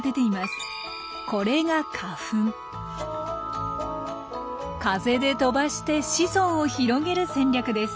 これが風で飛ばして子孫を広げる戦略です。